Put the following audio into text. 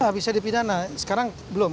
bisa dipidana sekarang belum